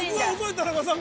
◆田中さん。